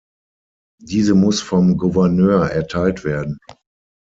Diese muss vom Gouverneur erteilt werden.